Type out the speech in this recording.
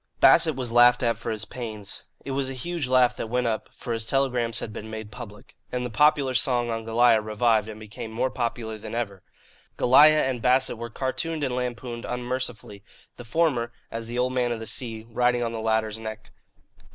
Bassett was laughed at for his pains. It was a huge laugh that went up (for his telegrams had been made public), and the popular song on Goliah revived and became more popular than ever. Goliah and Bassett were cartooned and lampooned unmercifully, the former, as the Old Man of the Sea, riding on the latter's neck.